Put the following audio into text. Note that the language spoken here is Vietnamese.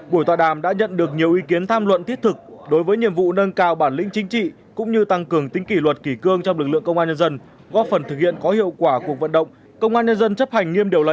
buổi tòa đàm đã nhận được nhiều ý kiến tham luận thiết thực đối với nhiệm vụ nâng cao bản lĩnh chính trị